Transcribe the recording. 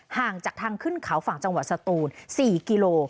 ห่างจากทางขึ้นเขาฝั่งจังหวัดสตูน๔กิโล